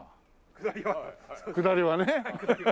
下りはね。